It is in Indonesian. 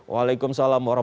selamat malam iqbal